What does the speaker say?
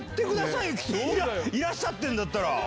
いらっしゃってるんだったら。